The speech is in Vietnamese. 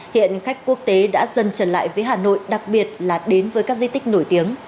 hiện khách quốc tế đã dần trở lại với hà nội đặc biệt là đến với các di tích nổi tiếng